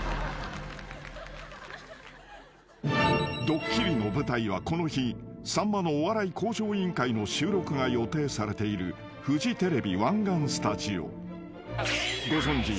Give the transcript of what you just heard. ［ドッキリの舞台はこの日『さんまのお笑い向上委員会』の収録が予定されているフジテレビ湾岸スタジオ］［ご存じ